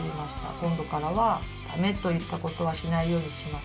今度からは『ダメ』と言ったことはしないようにします」。